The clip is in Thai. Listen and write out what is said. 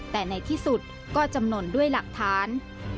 แต่ในที่สุดก็จำนวนด้วยหลักฐาน